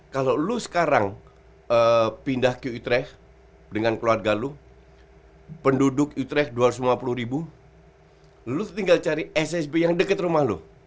kalau lo sekarang pindah ke utrecht dengan keluarga lo penduduk utrecht dua ratus lima puluh ribu lo tinggal cari ssb yang dekat rumah lo